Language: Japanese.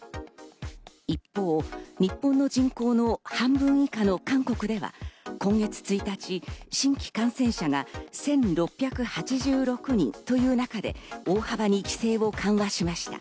一方、日本の人口の半分以下の韓国では今月１日、新規感染者が１６８６人という中で大幅に規制を緩和しました。